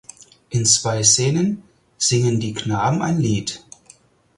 In zwei Szenen singen die Knaben ein Lied.